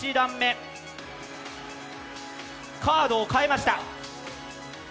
カードを変えました。